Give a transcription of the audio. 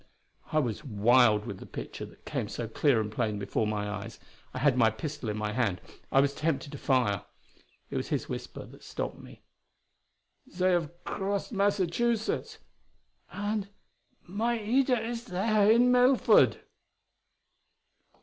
I was wild with the picture that came so clear and plain before my eyes. I had my pistol in my hand; I was tempted to fire. It was his whisper that stopped me. "They have crossed Massachusetts! And Maida is there in Melford!"